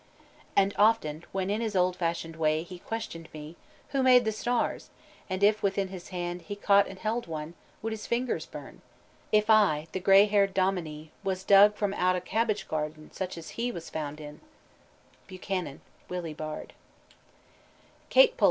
"And often when in his old fashioned way He questioned me,... Who made the stars? and if within his hand He caught and held one, would his fingers burn? If I, the gray haired dominie, was dug From out a cabbage garden such as he Was found in " BUCHANAN: _Willie Baird.